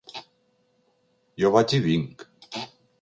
Jo vaig i vinc.